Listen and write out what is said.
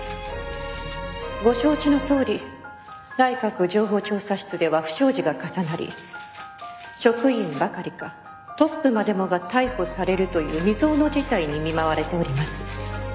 ご承知のとおり内閣情報調査室では不祥事が重なり職員ばかりかトップまでもが逮捕されるという未曽有の事態に見舞われております。